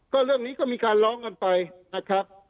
ก็เรื่องนี้ก็มีการร้องกันไปนะครับ